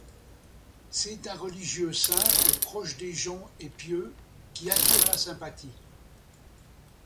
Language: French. C'est un religieux simple, proche des gens et pieux, qui attire la sympathie.